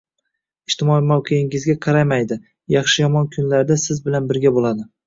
ijtimoiy mavqeingizga qaramaydi, yaxshi-yomon kunlarda siz bilan birga bo‘ladi